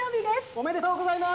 おめでとうございます！